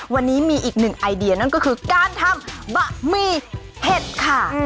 วันนี้มีอีกหนึ่งไอเดียนั่นก็คือการทำบะหมี่เห็ดค่ะ